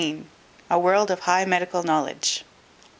A World of High Medical Knowledge.